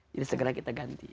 jadi segera kita ganti